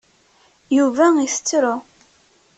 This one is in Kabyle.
Yuba itettru.